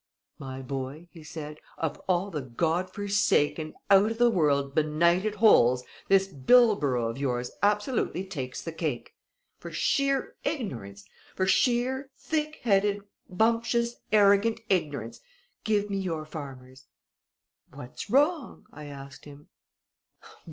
"My boy," he said, "of all the God forsaken, out of the world, benighted holes, this Bildborough of yours absolutely takes the cake! For sheer ignorance for sheer, thick headed, bumptious, arrogant ignorance give me your farmers!" "What's wrong?" I asked him.